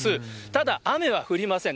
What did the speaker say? ただ、雨は降りません。